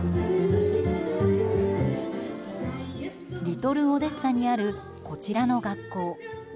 リトル・オデッサにあるこちらの学校。